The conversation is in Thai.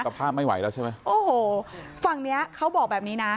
ภาพไม่ไหวแล้วใช่ไหมโอ้โหฝั่งเนี้ยเขาบอกแบบนี้นะ